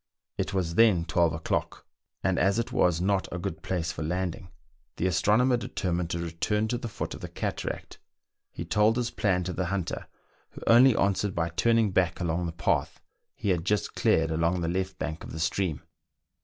It was then twelve o'clock, and as it was not a good place for landing, the astronomer determined to return to the foot of the cataract : he told his plan to the hunter, who only answered by turning back along the path he had just cleared along the left bank of the stream.